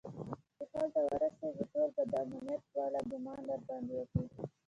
ته چې هلته ورسېږي ټول به د امنيت والا ګومان درباندې وکړي.